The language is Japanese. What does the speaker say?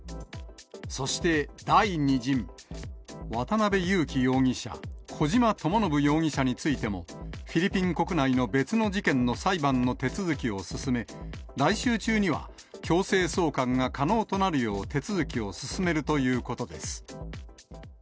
そして第２陣、渡辺優樹容疑者、小島智信容疑者についても、フィリピン国内の別の事件の裁判の手続きを進め、来週中には強制送還が可能となるよう、手続きを進めるということです。